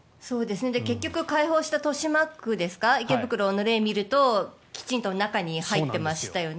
結局、開放した豊島区、池袋の例を見るときちんと中に入ってましたよね。